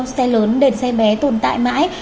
cho xe bé tồn tại mãi